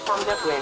３００円？